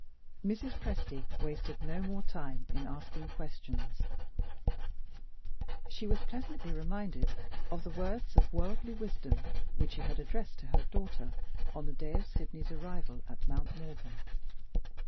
Mrs. Presty wasted no more time in asking questions. She was pleasantly reminded of the words of worldly wisdom which she had addressed to her daughter on the day of Sydney's arrival at Mount Morven.